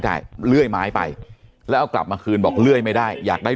เลื่อยไม้ไปแล้วเอากลับมาคืนบอกเลื่อยไม่ได้อยากได้